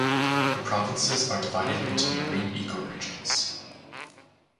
The provinces are divided into marine ecoregions.